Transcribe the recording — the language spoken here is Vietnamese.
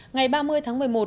ngày ba mươi tháng một mươi một